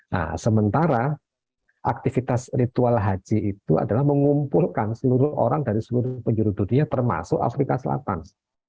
nah sementara aktivitas ritual haji itu adalah mengumpulkan seluruh orang dari seluruh penjuru dunia termasuk afrika selatan